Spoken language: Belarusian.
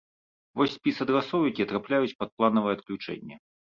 Вось спіс адрасоў, якія трапляюць пад планавае адключэнне.